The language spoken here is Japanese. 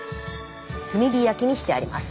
炭火焼きにしてあります。